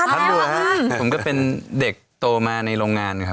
ของผมก็เป็นเด็กโตมาในโรงงานต่ออยู่